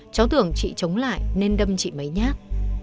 cháu tưởng chị chống lại nên đâm chị máy nhát